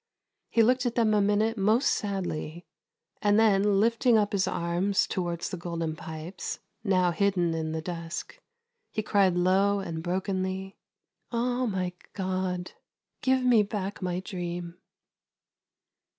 He looked at them a minute most sadly, and then lifting up his arms towards the Golden Pipes, now hidden in the dusk, he cried low and brokenly :*' Oh my God, give me back my dream